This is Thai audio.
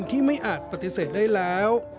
ที่ไม่อาจปฏิเสธได้แล้ว